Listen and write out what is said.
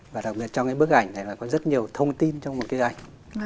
và đặc biệt trong cái bức ảnh này là có rất nhiều thông tin trong một cái ảnh